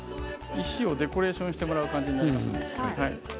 石をデコレーションしてもらう感じになります。